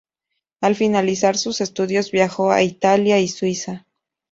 Al finalizar sus estudios, viajó a Italia y Suiza.